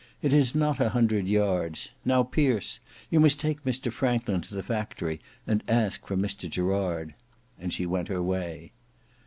It is not a hundred yards. Now, Pierce, you must take Mr Franklin to the factory, and ask for Mr Gerard." And she went her way.